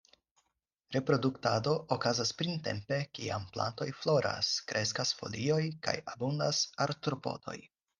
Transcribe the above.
Reproduktado okazas printempe kiam plantoj floras, kreskas folioj kaj abundas artropodoj.